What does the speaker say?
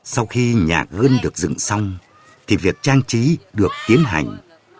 sau khi nhà gơn được dựng xong thì việc trang trí được tiến hành